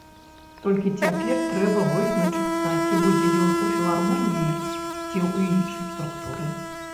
Толькі цяпер трэба вызначыцца, ці будзе ён у філармоніі, ці ў іншай структуры.